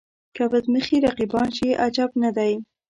که بد مخي رقیبان شي عجب نه دی.